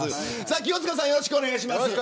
清塚さんよろしくお願いします。